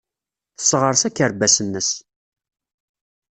Tesseɣres akerbas-nnes.